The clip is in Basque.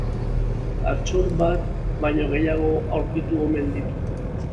Altxor bat baino gehiago aurkitu omen ditu.